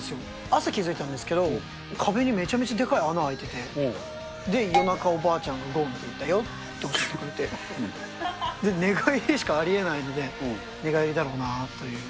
朝気付いたんですけど、壁にめちゃめちゃでかい穴開いてて、で、夜中、おばあちゃんが、ごんっていったよって教えてくれて、で、寝返りしかありえないので、寝返りだろうなっていう。